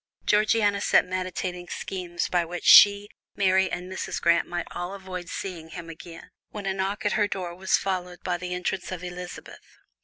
Georgiana sat meditating schemes by which she, Mary and Mrs. Grant might all avoid seeing him again, when a knock at her door was followed by the entrance of Elizabeth.